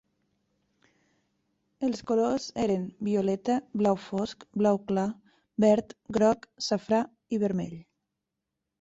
Els colors eren: violeta, blau fosc, blau clar, verd, groc, safrà i vermell.